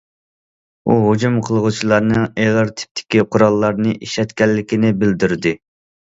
ئۇ ھۇجۇم قىلغۇچىلارنىڭ ئېغىر تىپتىكى قوراللارنى ئىشلەتكەنلىكىنى بىلدۈردى.